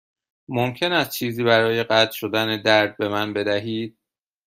ممکن است چیزی برای قطع شدن درد به من بدهید؟